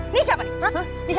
ini siapa nih